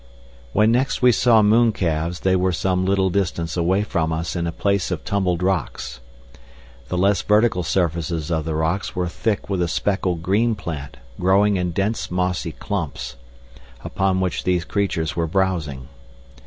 When next we saw mooncalves they were some little distance away from us in a place of tumbled rocks. The less vertical surfaces of the rocks were thick with a speckled green plant growing in dense mossy clumps, upon which these creatures were browsing.